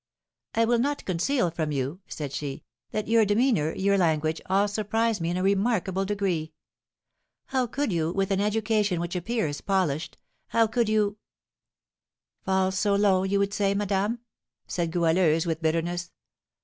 "I will not conceal from you," said she, "that your demeanour, your language, all surprise me in a remarkable degree. How could you, with an education which appears polished, how could you " "Fall so low, you would say, madame?" said Goualeuse, with bitterness.